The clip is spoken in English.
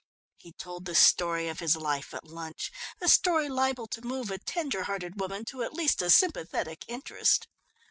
He told the story of his life at lunch, a story liable to move a tender hearted woman to at least a sympathetic interest.